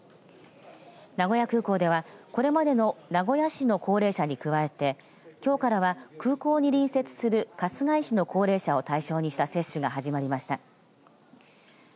名古屋空港では、これまでの名古屋市の高齢者に加えてきょうからは空港に隣接する春日井市の高齢者を対象にした接種が始まりました。